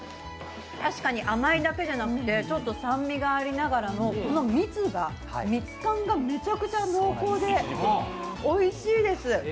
確かに甘いだけじゃなくて、ちょっと酸味がありながらもこの蜜感がめちゃくちゃ濃厚でおいしいです。